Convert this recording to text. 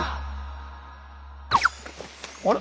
あれ？